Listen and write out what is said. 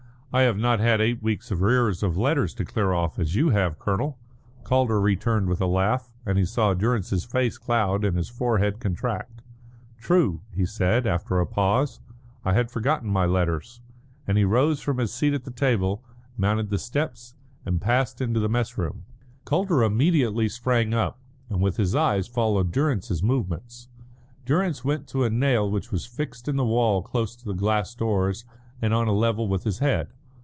"I have not eight weeks' arrears of letters to clear off, as you have, Colonel," Calder returned with a laugh; and he saw Durrance's face cloud and his forehead contract. "True," he said, after a pause. "I had forgotten my letters." And he rose from his seat at the table, mounted the steps, and passed into the mess room. Calder immediately sprang up, and with his eyes followed Durrance's movements. Durrance went to a nail which was fixed in the wall close to the glass doors and on a level with his head.